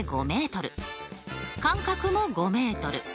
間隔も５ｍ。